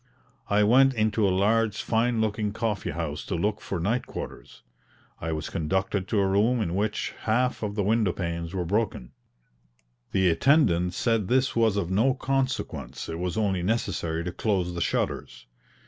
I went into a large fine looking coffee house to look for night quarters. I was conducted to a room in which half of the window panes were broken. The attendant said this was of no consequence, it was only necessary to close the shutters.